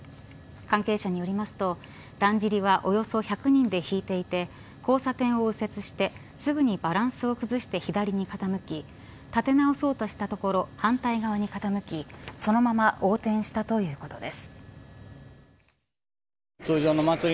関係者によりますと、だんじりはおよそ１００人で引いていて交差点を右折してすぐにバランスを崩して左に傾き立て直そうとしたところ反対側に傾きそのまま横転したということです。